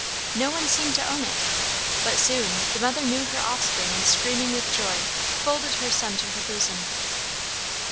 No one seemed to own it. But soon the mother knew her offspring and screaming with joy, folded her son to her bosom.